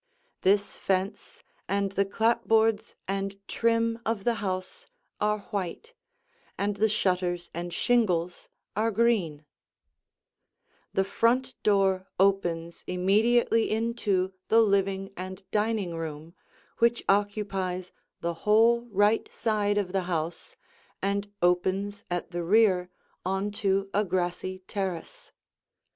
This fence, and the clapboards and trim of the house, are white, and the shutters and shingles are green. [Illustration: Two Views of the Living Room] The front door opens immediately into the living and dining room which occupies the whole right side of the house and opens at the rear on to a grassy terrace.